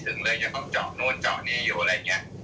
ไม่ถึงเลยยังต้องเจาะนู่นเจาะนี้อยู่อะไรอย่างเงี้ย